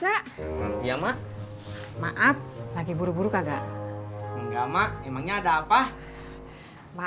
kalimat desa penghampiran rupiah berapa